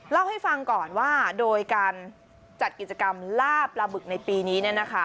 เล่าให้ฟังก่อนว่าโดยการจัดกิจกรรมล่าปลาบึกในปีนี้